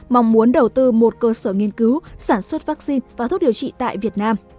mong muốn đầu tư một cơ sở nghiên cứu sản xuất vaccine và thuốc điều trị tại việt nam